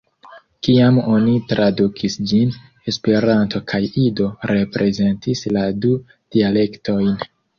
Kiam oni tradukis ĝin, Esperanto kaj Ido reprezentis la du dialektojn.